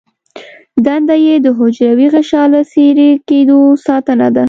دنده یې د حجروي غشا له څیرې کیدو ساتنه ده.